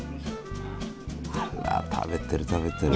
あら食べてる食べてる。